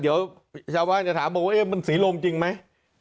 เดี๋ยวชาวไว้จะถามว่ามันศรีลมจริงไหม